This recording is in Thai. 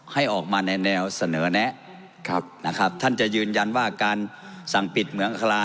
ให้ออกมาในแนวเสนอแนะนะครับท่านจะยืนยันว่าการสั่งปิดเหมืองคลา